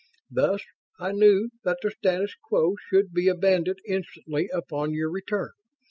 Thus I knew that the status quo should be abandoned instantly upon your return.